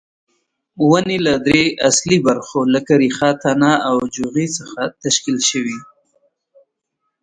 ونې له درې اصلي برخو لکه ریښه، تنه او جوغې څخه تشکیل شوې.